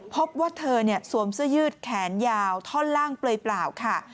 พบว่าเธอสวมเสื้อยืดแขนยาวท่อนล่างเปลยเปล่าค่ะ